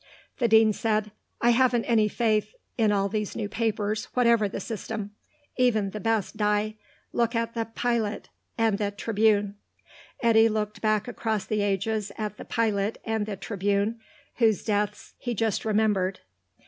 The Dean said, "I haven't any faith in all these new papers, whatever the system. Even the best die. Look at the Pilot. And the Tribune." Eddy looked back across the ages at the Pilot and the Tribune, whose deaths he just remembered.